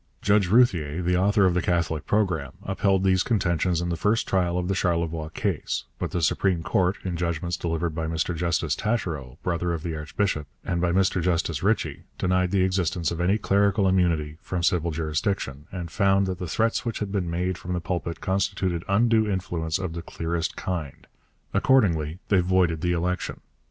Judge Routhier, the author of the Catholic Programme, upheld these contentions in the first trial of the Charlevoix case, but the Supreme Court, in judgments delivered by Mr Justice Taschereau, brother of the Archbishop, and by Mr Justice Ritchie, denied the existence of any clerical immunity from civil jurisdiction, and found that the threats which had been made from the pulpit constituted undue influence of the clearest kind. Accordingly they voided the election.